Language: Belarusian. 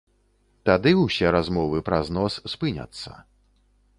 Тады усе размовы пра знос спыняцца.